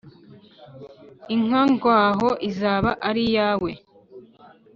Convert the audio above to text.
inka ngwaho izaba ari iyawe"